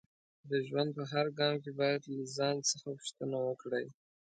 د ژوند په هر ګام کې باید له ځان څخه پوښتنه وکړئ